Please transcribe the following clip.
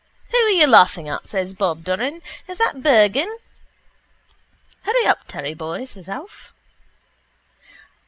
—Who are you laughing at? says Bob Doran. Is that Bergan? —Hurry up, Terry boy, says Alf.